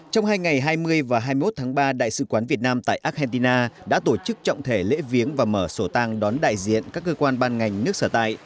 trong hai ngày hai mươi và hai mươi một tháng ba đại sứ quán việt nam tại argentina đã tổ chức trọng thể lễ viếng và mở sổ tang đón đại diện các cơ quan ban ngành nước sở tại